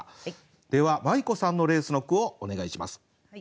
ではまい子さんの「レース」の句をお願いします。